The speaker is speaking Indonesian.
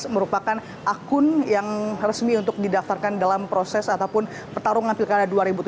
dua ribu tujuh belas merupakan akun yang resmi untuk didaftarkan dalam proses ataupun pertarungan pilkara dua ribu tujuh belas